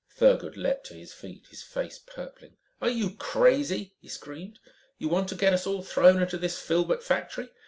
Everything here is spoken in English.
Thurgood leaped to his feet, his face purpling. "Are you crazy?" he screamed. "You want to get us all thrown into this filbert factory?